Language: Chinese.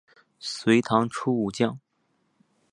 隋唐初武将。